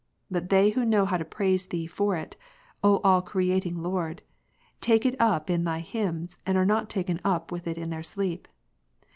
But they who know how to prais^ Thee for it, " O All creating Lord ''," take it up ^ in Thy hymns, and are not taken up wuth it in their sleep.